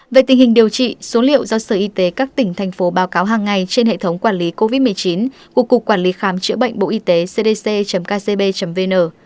về tình hình điều trị số liệu do sở y tế các tỉnh thành phố báo cáo hàng ngày trên hệ thống quản lý covid một mươi chín của cục quản lý khám chữa bệnh bộ y tế cdc kcb vn